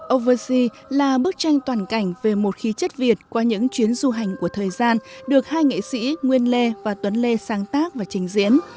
oversea là bức tranh toàn cảnh về một khí chất việt qua những chuyến du hành của thời gian được hai nghệ sĩ nguyên lê và tuấn lê sáng tác và trình diễn